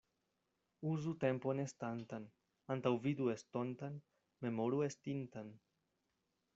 Uzu tempon estantan, antaŭvidu estontan, memoru estintan.